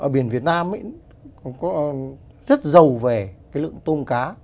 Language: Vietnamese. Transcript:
biển việt nam rất giàu về lượng tôm cá